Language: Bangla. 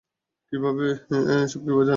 এসব কীভাবে জানেন?